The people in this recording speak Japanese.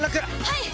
はい！